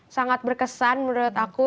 sangat berkesan menurut aku